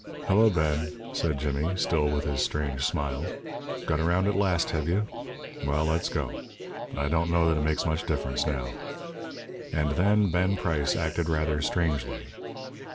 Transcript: "Hello, Ben!" said Jimmy, still with his strange smile. "Got around at last, have you? Well, let's go. I don't know that it makes much difference, now." And then Ben Price acted rather strangely.